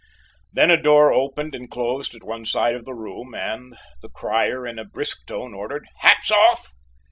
Then a door opened and closed at one side of the room, and the crier in a brisk tone ordered "Hats off!"